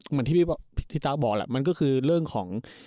เหมือนที่พี่ตาบอกแหละมันก็คือเรื่องของ